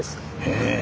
へえ！